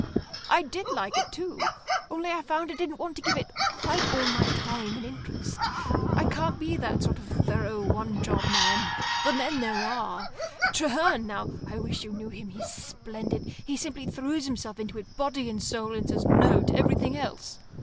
"I did like it, too. Only I found I didn't want to give it quite all my time and interest. I can't be that sort of thorough, one job man. The men there are. Traherne, now I wish you knew him; he's splendid. He simply throws himself into it body and soul, and says no to everything else.